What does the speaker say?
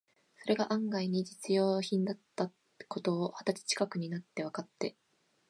それが案外に実用品だった事を、二十歳ちかくになってわかって、